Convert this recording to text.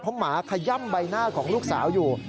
เพราะหมาขย่ำใบหน้าของลูกสาวอยู่